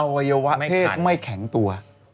วัยวะเพศไม่แข็งตัว